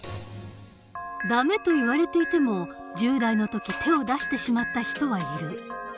「ダメ」と言われていても１０代の時手を出してしまった人はいる。